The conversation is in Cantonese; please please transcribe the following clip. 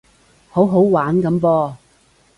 好好玩噉噃